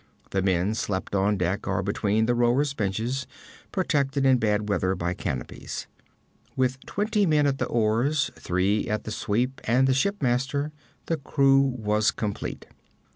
The men slept on deck or between the rowers' benches, protected in bad weather by canopies. With twenty men at the oars, three at the sweep, and the shipmaster, the crew was complete.